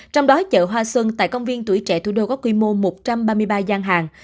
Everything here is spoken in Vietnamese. trong đó chợ hoa xuân tại công viên tuổi trẻ thủ đô có quy mô một trăm ba mươi ba gian hàng